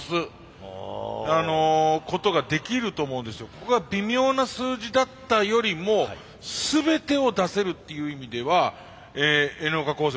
ここが微妙な数字だったよりも全てを出せるっていう意味ではＮ岡高専